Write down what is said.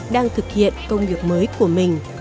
đang thực hiện công việc mới của mình